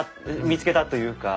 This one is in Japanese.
見つけたというか。